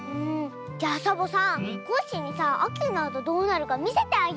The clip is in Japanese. じゃあサボさんコッシーにさあきになるとどうなるかみせてあげようよ。